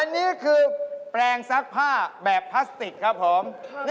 อันนี้คือแปลงซักผ้าแบบพลาสติกครับผม